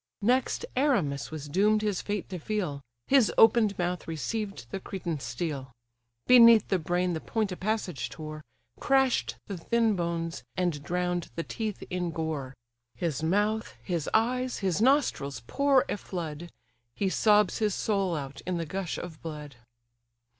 Next Erymas was doom'd his fate to feel, His open'd mouth received the Cretan steel: Beneath the brain the point a passage tore, Crash'd the thin bones, and drown'd the teeth in gore: His mouth, his eyes, his nostrils, pour a flood; He sobs his soul out in the gush of blood.